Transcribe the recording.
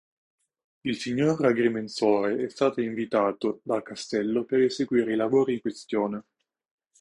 Il signor agrimensore è stato invitato dal castello per eseguire i lavori in questione.